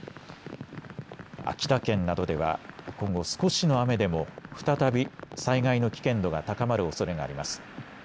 秋田県などでは今後少しの雨でも再び災害の危険度が高まるおそれがあります。